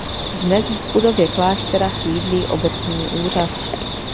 Dnes v budově kláštera sídlí obecní úřad.